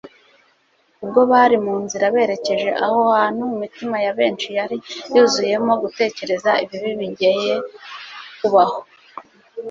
Ubwo bari mu nzira berekeje aho hantu imitima ya benshi yari yuzuyemo gutekereza ibibi bigeye kubaho